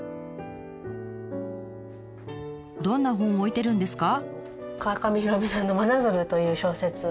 どんな本を置いてるんですか？